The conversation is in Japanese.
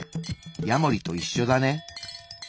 ヤモリといっしょだね。